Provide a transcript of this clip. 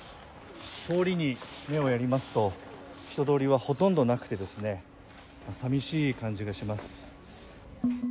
通りに目をやりますと人通りはほとんどなくて、さみしい感じがします。